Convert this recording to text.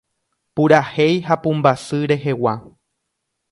Purahéi ha pumbasy rehegua